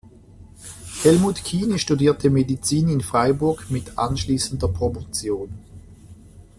Helmut Kiene studierte Medizin in Freiburg mit anschließender Promotion.